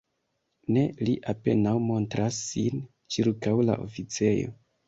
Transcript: Ne, li apenaŭ montras sin ĉirkaŭ la oficejo.